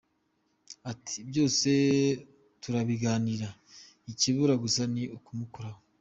Ati “byose turabiganira ikibura gusa ni ukumukoraho.